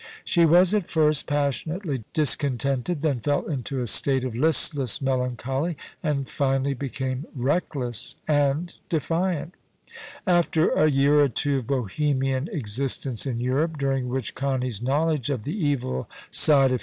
She was at first pas sionately discontented, then fell into a state of listless melancholy, and finally became reckless and defiant After a year or two of Bohemian existence in Europe, during which Connie's knowledge of the evil side of MRS.